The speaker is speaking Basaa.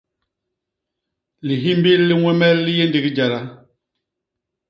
Lihimbil li ñwemel li yé ndigi jada.